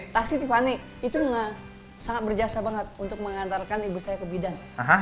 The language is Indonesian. tasi tiffany itu sangat berjasa banget untuk mengantarkan ibu saya ke bidan